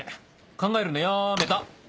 考えるのやめた！